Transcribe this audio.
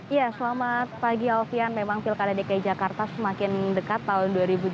ya selamat pagi alfian memang pilkada dki jakarta semakin dekat tahun dua ribu dua puluh